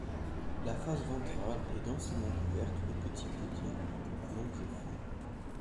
La face ventrale est densément couverte de petits podia, longs et fins.